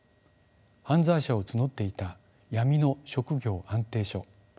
犯罪者を募っていた闇の職業安定所。